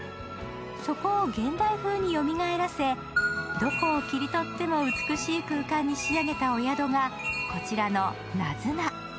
そこを現代風によみがえらせどこを切り取っても美しい空間に仕上げたお宿がこちらのＮａｚｕｎａ。